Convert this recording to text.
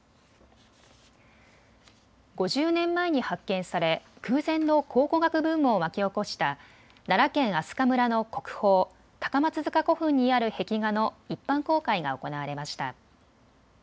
５０年前に発見され空前の考古学ブームを巻き起こした奈良県明日香村の国宝、高松塚古墳にある壁画の一般公開が行われました。